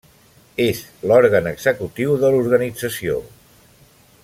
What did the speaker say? És l'òrgan executiu de l'Organització.